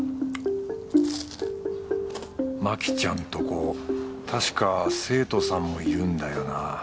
マキちゃんとこ確か生徒さんもいるんだよな。